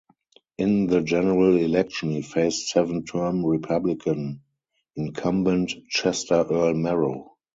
In the general election, he faced seven-term Republican incumbent Chester Earl Merrow.